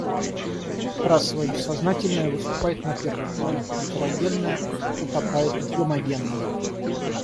Расовое бессознательное выступает на первый план, гетерогенное утопает в гомогенном.